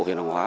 huyện đồng hóa